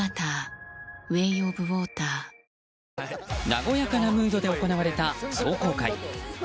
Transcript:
和やかなムードで行われた壮行会。